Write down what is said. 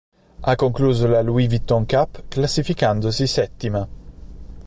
Ha concluso la Louis Vuitton Cup classificandosi settima.